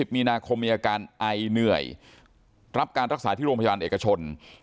มีนาคมมีอาการไอเหนื่อยรับการรักษาที่โรงพยาบาลเอกชน